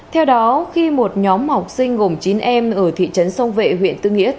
theo đó khi một nhóm học sinh gồm chín em ở thị trấn sông vệ huyện tư nghĩa